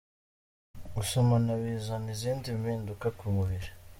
Gusomana bizana izindi mpinduka ku mubiri.